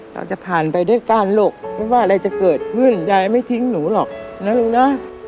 เราจะผ่านไปด้วยก้านลูกไม่ว่าอะไรจะเกิดขึ้นยายไม่ทิ้งหนูหรอกนะลุงนะ